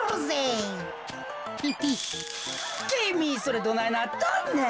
「きみそれどないなっとんねん」。